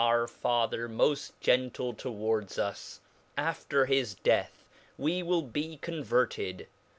our father more gentle towards us; after his death we will be converted.